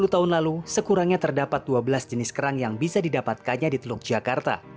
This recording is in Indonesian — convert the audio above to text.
sepuluh tahun lalu sekurangnya terdapat dua belas jenis kerang yang bisa didapatkannya di teluk jakarta